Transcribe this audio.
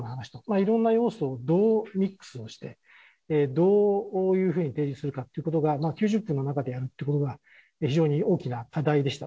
いろんな要素をどうミックスをしてどういうふうに提示するかっていうことが９０分のなかでやるってことが非常に大きな課題でした。